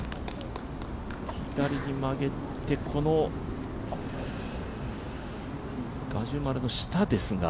左に曲げて、このガジュマルの下ですが。